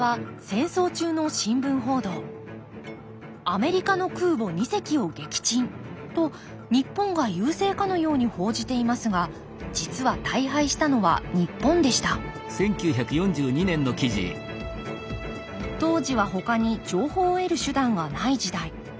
「アメリカの空母二隻を撃沈」と日本が優勢かのように報じていますが実は大敗したのは日本でした当時はほかに情報を得る手段がない時代。